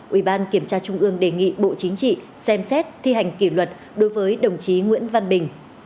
ủy ban kiểm tra trung ương đề nghị bộ chính trị xem xét thi hành kỷ luật đối với đồng chí nguyễn văn bình